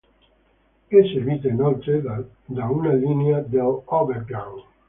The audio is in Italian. È servita inoltre da una linea dell'Overground.